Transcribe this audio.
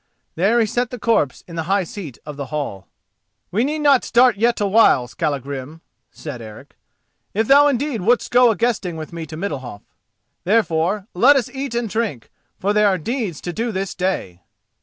There he set the corpse in the high seat of the hall. "We need not start yet a while, Skallagrim," said Eric, "if indeed thou wouldst go a guesting with me to Middalhof. Therefore let us eat and drink, for there are deeds to do this day."